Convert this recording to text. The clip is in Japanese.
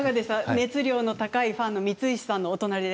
熱量の高いファンの光石さんの隣で。